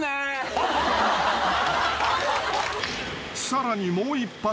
［さらにもう一発］